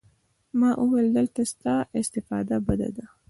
ما وويل دلته ستا استفاده بده ده.